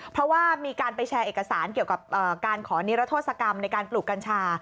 เพราะว่ามีการไปแชร์เอกสารเกี่ยวกับการขอนิรโทษกรรมในการปลูกกัญชา